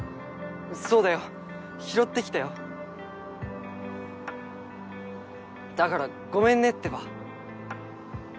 そうだよ拾ってきたよだからごめんねってば